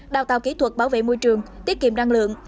đào tạo kỹ thuật bảo vệ môi trường tiết kiệm năng lượng